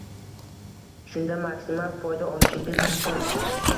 Shunda maksimal foyda olishingiz mumkin